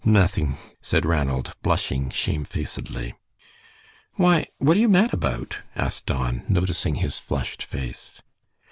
"Nothing," said Ranald, blushing shamefacedly. "Why, what are you mad about?" asked Don, noticing his flushed face.